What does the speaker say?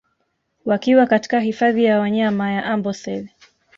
Wakiwa katika hifadhi ya wanyama ya Amboseli